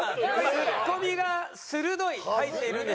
「ツッコミが鋭い」入っているんでしょうか？